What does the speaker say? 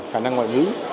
khả năng ngoại ngữ